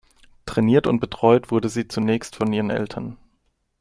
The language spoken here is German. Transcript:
Trainiert und betreut wurde sie zunächst von ihren Eltern.